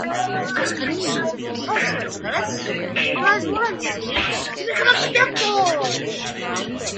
Toscanini, also a cellist, advised Wallenstein to become a conductor.